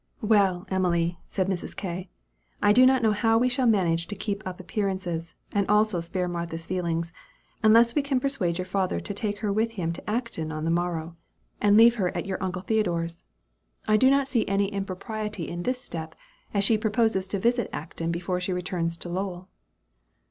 "Well, Emily," said Mrs. K., "I do not know how we shall manage to keep up appearances, and also spare Martha's feelings, unless we can persuade your father to take her with him to Acton, on the morrow, and leave her at your uncle Theodore's. I do not see any impropriety in this step, as she proposes to visit Acton before she returns to Lowell."